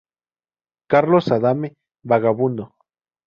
Carlos Adame- "Vagabundo"